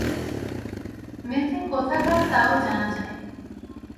মেয়েটি কোথাকার তাও জানা যায় নি।